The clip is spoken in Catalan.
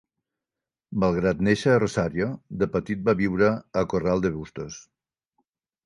Malgrat néixer a Rosario, de petit va viure a Corral de Bustos.